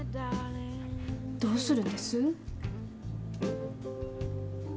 どうするんです？